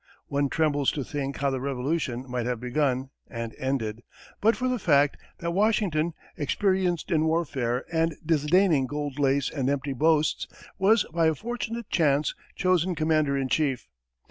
One trembles to think how the Revolution might have begun and ended! but for the fact that Washington, experienced in warfare and disdaining gold lace and empty boasts, was, by a fortunate chance, chosen commander in chief.